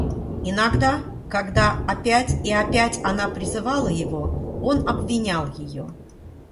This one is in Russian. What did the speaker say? Иногда, когда опять и опять она призывала его, он обвинял ее.